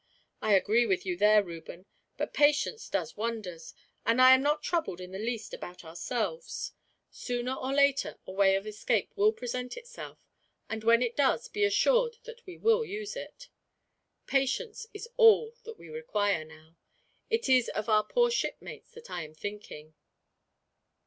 "I agree with you there, Reuben; but patience does wonders, and I am not troubled in the least about ourselves. Sooner or later, a way of escape will present itself; and when it does, be assured that we will use it. Patience is all that we require, now. It is of our poor shipmates that I am thinking."